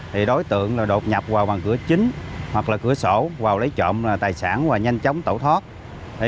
thì đối tượng đột nhập vào bằng cửa chính hoặc là cửa sổ vào lấy trộm tài sản và nhanh chóng tẩu thoát